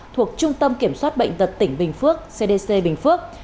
thuộc trung tâm kiểm soát bệnh tật tỉnh bình phước cdc bình phước